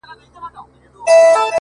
ه ژوند نه و- را تېر سومه له هر خواهیسه -